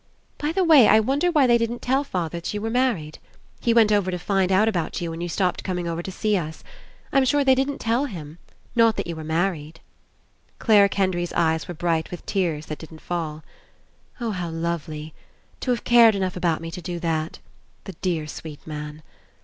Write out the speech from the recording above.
By the way ! I wonder why they didn't tell father that you were married. He went over to find out about you when you stopped coming over to see us. I'm sure they didn't tell him. Not that you were married." Clare Kendry's eyes were bright with tears that didn't fall. "Oh, how lovely! To have cared enough about me to do that. The dear sweet man!